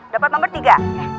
dapat nomor tiga